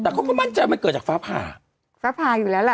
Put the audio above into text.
แต่เขาก็มั่นใจมันเกิดจากฟ้าผ่าฟ้าผ่าอยู่แล้วล่ะ